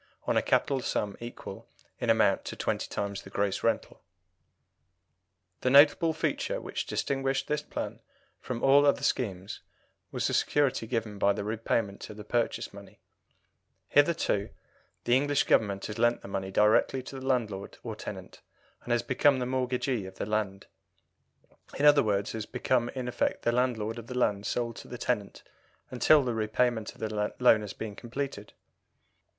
on a capital sum equal in amount to twenty times the gross rental. The notable feature which distinguished this plan from all other schemes was the security given for the repayment of the purchase money: hitherto the English Government has lent the money directly to the landlord or tenant, and has become the mortgagee of the land in other words, has become in effect the landlord of the land sold to the tenant until the repayment of the loan has been completed.